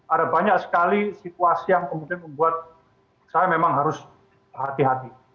ada banyak sekali situasi yang kemudian membuat saya memang harus hati hati